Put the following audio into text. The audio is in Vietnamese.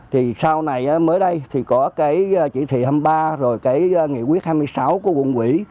thì sau này mới đây thì có cái chỉ thị hai mươi ba rồi cái nghị quyết hai mươi sáu của quận quỹ